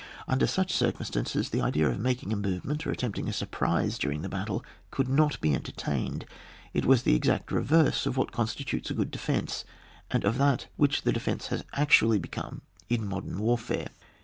Under such circumstwces, the idea of making a movement or attempting a sur prise during the battle could not be en tertained; it was the exact reverse of what constitutes a good defence, and of that which the defence has actually be come in modern warfare.